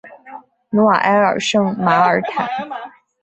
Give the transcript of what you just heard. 努瓦埃尔圣马尔坦。